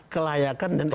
kelayakan dan etik